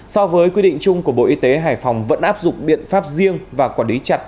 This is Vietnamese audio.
so với quy định chung của bộ y tế hải phòng vẫn áp dụng biện pháp riêng và quản lý chặt